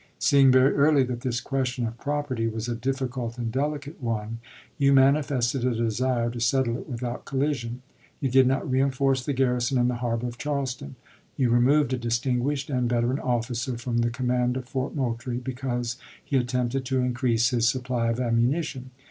Seeing very early that this question of property was a difficult and delicate one, you manifested a desire to settle it without collision. You did not reenforce the garrison in the harbor of Charleston. You removed a distinguished and veteran officer from the command of Fort Moultrie because he attempted to increase his supply of ammunition.